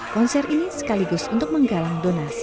konser ini sekaligus untuk menggalang donasi